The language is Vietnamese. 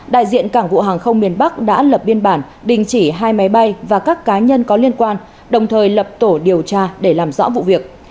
đại diện cảng vụ hàng không miền bắc đã lập biên bản đình chỉ hai máy bay và các cá nhân có liên quan đồng thời lập tổ điều tra để làm rõ vụ việc